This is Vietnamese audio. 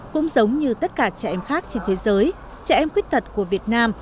cũng giống như tất cả trẻ em khác trên thế giới trẻ em khuyết tật của việt nam